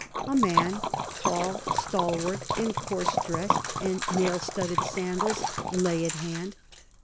A man tall, stalwart, in coarse dress and nail studded sandals, lay at hand.